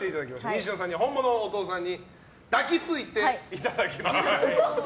西野さんには本物のお父さんに抱きついていただきます。